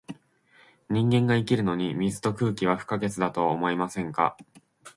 人間が生きるのに、水と空気は不可欠だとは思いませんか？